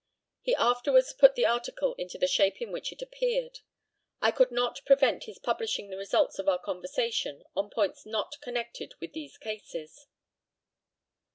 He afterwards put the article into the shape in which it appeared. I could not prevent his publishing the results of our conversation on points not connected with these cases."